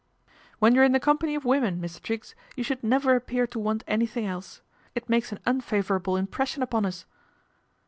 " When you're in the company of women, Mi Triggs, you should never appear to want anythin else. It makes an unfavourable impression upo us."